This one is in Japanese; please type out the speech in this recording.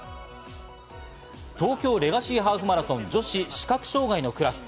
東京レガシーハーフマラソン、女子視覚障がいのクラス。